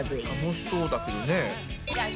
楽しそうだけどね。